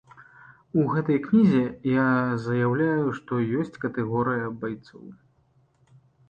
У гэтай кнізе я заяўляю, што ёсць катэгорыя байцоў.